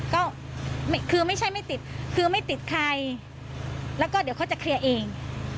ก็คือไม่ใช่ไม่ติดคือไม่ติดใครแล้วก็เดี๋ยวเขาจะเคลียร์เอง